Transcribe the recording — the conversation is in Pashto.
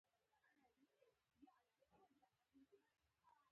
پاچا لوبغاړو څخه وغوښتل چې د سولې د دوام لپاره کمپاين وکړي.